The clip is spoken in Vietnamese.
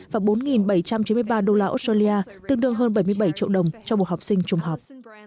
và bốn bảy trăm chín mươi ba đô la australia tương đương hơn bảy mươi bảy triệu đồng cho một học sinh trung học